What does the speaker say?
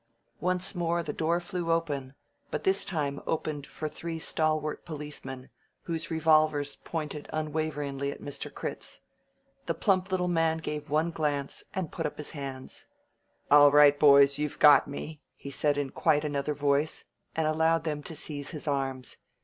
Once more the door flew open, but this time it opened for three stalwart policemen, whose revolvers pointed unwaveringly at Mr. Critz. The plump little man gave one glance, and put up his hands. "All right, boys, you've got me," he said in quite another voice, and allowed them to seize his arms.